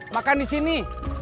makan di sini